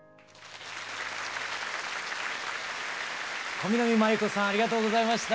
小南満佑子さんありがとうございました。